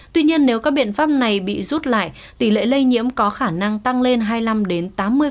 tuy nhiên nếu các biện pháp này bị rút lại tỷ lệ lây nhiễm có khả năng tăng lên hai mươi năm đến tám mươi